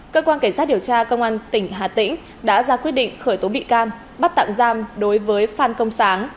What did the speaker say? cơ quan cảnh sát điều tra công an tỉnh hà tĩnh đã ra quyết định khởi tố bị can bắt tạm giam đối với phan công sáng